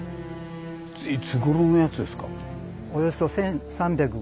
いつごろのやつですか？